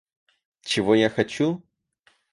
Чего я хочу?